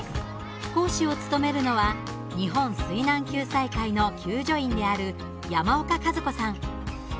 講師を務めるのは日本水難救済会の救助員である山岡和子さん。